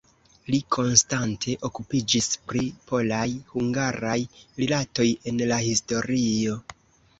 Li konstante okupiĝis pri polaj-hungaraj rilatoj en la historio.